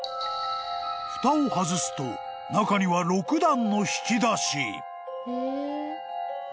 ［ふたを外すと中には６段の引き出し］